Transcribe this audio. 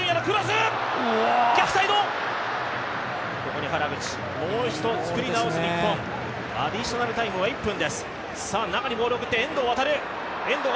ここに原口、もう一度作り直す日本アディショナルタイムは１分。